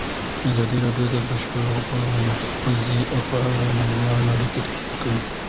ازادي راډیو د د بشري حقونو نقض په اړه نړیوالې اړیکې تشریح کړي.